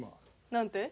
何て？